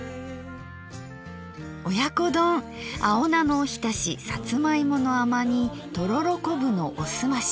親子丼青菜のおひたしさつま芋の甘煮とろろこぶのおすまし。